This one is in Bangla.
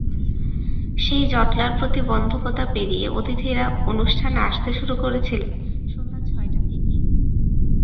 সেই জটলার প্রতিবন্ধকতা পেরিয়ে অতিথিরা অনুষ্ঠানে আসতে শুরু করেছিলেন সন্ধ্যা ছয়টা থেকেই।